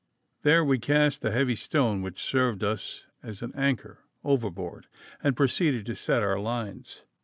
There we cast the heavy stone which served us as an anchor overboard, and proceeded to set our lines.